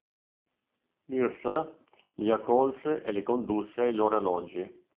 Yrsa li accolse e li condusse ai loro alloggi.